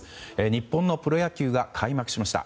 日本のプロ野球が開幕しました。